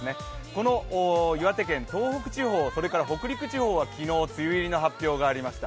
この岩手県、東北地方、それから北陸地方は昨日、梅雨入りの発表がありました